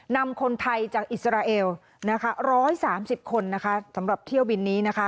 นำคนไทยจากอิสราเอลนะคะ๑๓๐คนนะคะสำหรับเที่ยวบินนี้นะคะ